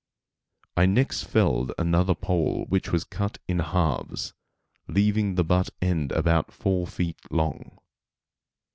I next felled another pole which was cut in halves, leaving the butt end about four feet long.